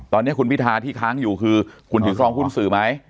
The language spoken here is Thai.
ตอนนี้คุณพิทาที่ค้างอยู่คือคุณถือครองหุ้นสื่อไหม